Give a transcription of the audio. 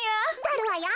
とるわよ。